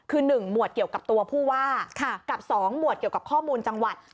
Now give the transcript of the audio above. คือ๑หมวดเกี่ยวกับตัวผู้ว่ากับ๒หมวดเกี่ยวกับข้อมูลจังหวัด